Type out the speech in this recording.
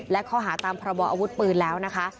และข้อหาตามพระบออาวุธปืนแล้วนะคะ